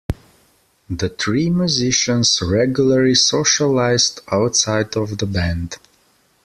The three musicians regularly socialized outside of the band.